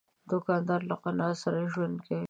دوکاندار له قناعت سره ژوند کوي.